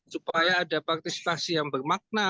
supaya ada partisipasi yang bermakna